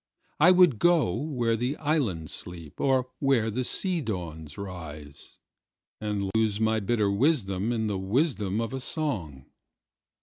I would go where the islands sleep, or where the sea dawns rise, And lose my bitter wisdom in the wisdom of a song.